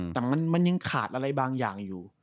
แต่มันยังขาดอะไรบางอย่างอยู่